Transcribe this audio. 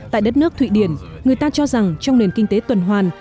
tại đất nước thụy điển người ta cho rằng trong nền kinh tế tuần hoàn